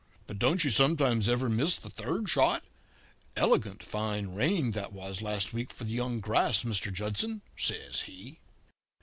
'But don't you sometimes ever miss the third shot? Elegant fine rain that was last week for the young grass, Mr. Judson?' says he.